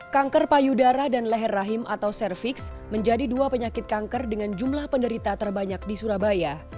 kanker payudara dan leher rahim atau cervix menjadi dua penyakit kanker dengan jumlah penderita terbanyak di surabaya